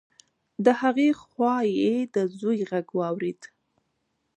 د هغې خوا يې د زوی غږ واورېد.